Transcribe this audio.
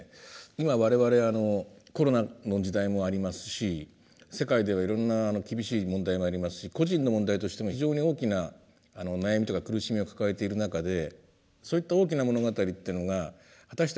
今我々コロナの時代もありますし世界ではいろんな厳しい問題もありますし個人の問題としても非常に大きな悩みとか苦しみを抱えている中でそういった大きな物語っていうのが果たしてこれは何なんだと。